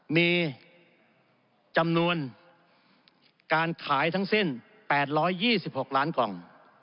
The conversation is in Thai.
มีจำนวนการขายทั้งสิ้น๘๒๖ล้านกล่อง